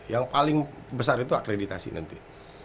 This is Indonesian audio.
yang paling besar itu akreditasi nanti